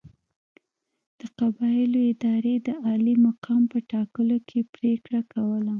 د قبایلو ادارې د عالي مقام په ټاکلو کې پرېکړه کوله.